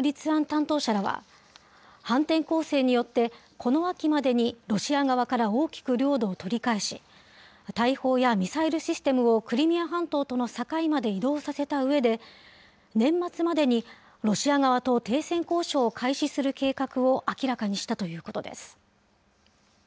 立案担当者らは、反転攻勢によってこの秋までにロシア側から大きく領土を取り返し、大砲やミサイルシステムをクリミア半島との境まで移動させたうえで、年末までにロシア側と停戦交渉を開始する計画を明らかにしたということです。